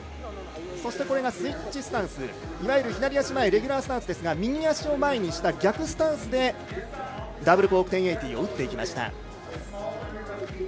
そしてスイッチスタンスいわゆる左足前のレギュラースタンスですが右足を前にした逆スタンスでダブルコーク１０８０を打っていきました。